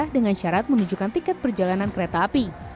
dengan syarat menunjukkan tiket perjalanan kereta api